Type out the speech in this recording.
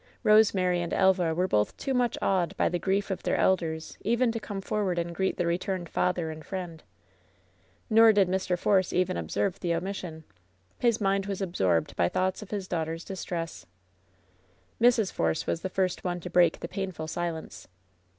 Rosemary and Elva were both too much awed by the grief of their elders even to come forward and greet the returned father and friend. Nor did Mr. Force even observe the omission. His mind was absorbed by thoughts of his daughter's dis tress. Mrs. Force was the first one to break the painful silence.